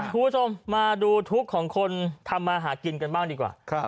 คุณผู้ชมมาดูทุกข์ของคนทำมาหากินกันบ้างดีกว่า